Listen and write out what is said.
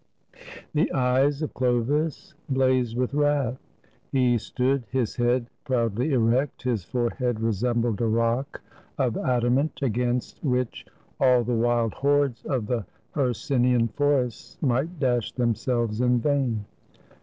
] The eyes of Chlovis blazed with wrath. He stood, his head proudly erect, his forehead resembled a rock of adamant, against which all the wild hordes of the Her cynian forests might dash themselves in vain.